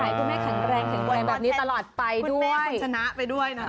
ขอบคุณภาคคุณแม่แข็งแรงแข็งแรงแบบนี้ตลอดไปด้วย